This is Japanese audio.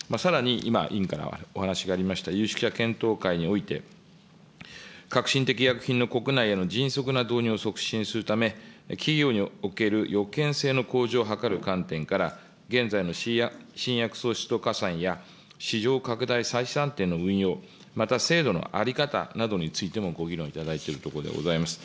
さらに今、委員からお話がありました、有識者検討会において、革新的医薬品の国内への迅速な導入を促進するため、企業における予見性の向上を図る観点から、現在の新薬創出加算や市場拡大の運用、また制度の在り方などについても、ご議論いただいているところであります。